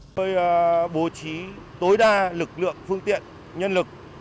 tôi bố trí tối đa lực lượng phương tiện nhân lực